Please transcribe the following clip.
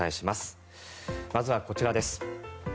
まずはこちらです。